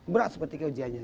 berat seperti keujiannya